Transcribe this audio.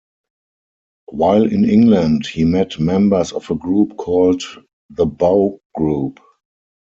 While in England, he met members of a group called the Bow Group.